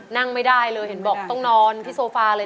นั่งไม่ได้เลยเห็นบอกต้องนอนที่โซฟาเลย